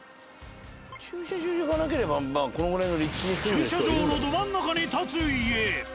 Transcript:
駐車場のど真ん中に建つ家。